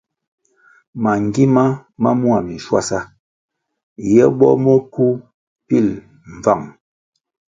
Mangima ma mua minschuasa ye bo mo kywu pil mbvang.